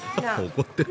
怒ってる！